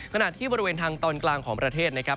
ขณะที่บริเวณทางตอนกลางของประเทศนะครับ